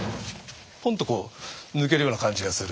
ポンとこう抜けるような感じがする。